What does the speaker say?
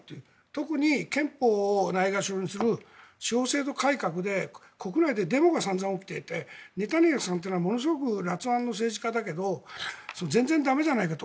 特に憲法をないがしろにする地方制度改革で国内でデモが散々起きていてネタニヤフさんというのはものすごくらつ腕の政治家だけど全然駄目じゃないかと。